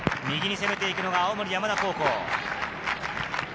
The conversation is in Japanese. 右に攻めて行くのが青森山田高校。